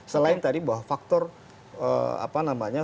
selain tadi bahwa faktor apa namanya